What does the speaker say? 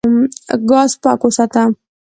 ګاز پاک وساته.